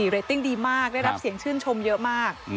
เรตติ้งดีมากได้รับเสียงชื่นชมเยอะมาก